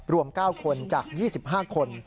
รวม๙คนจาก๒๕คน